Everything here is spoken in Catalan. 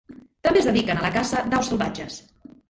També es dediquen a la caça d'aus salvatges.